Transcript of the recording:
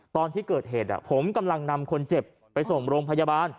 ตอนที่เกิดเหตุผมกำลังนำคนเจ็บไปส่งโรงพยาบาล